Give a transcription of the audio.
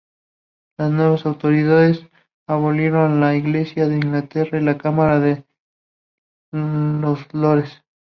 Las nuevas autoridades abolieron la Iglesia de Inglaterra y la Cámara de los Lores.